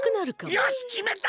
よしきめた！